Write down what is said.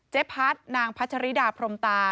เจ๊พัดนางพัชริดาพรมตา